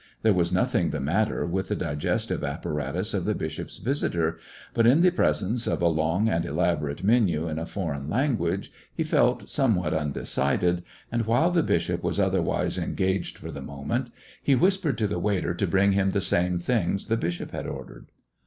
There was nothing the matter with the digestive apparatus of the bishop's visitor^ but in the presence of a long and elaborate menu in a foreign language he felt somewhat undecidedj and while the bishop was otherwise engaged for the moment^ he whispered to the waiter to bring him the same thin^ the bishop had ordered.